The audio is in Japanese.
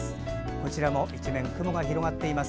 こちらも一面雲が広がっています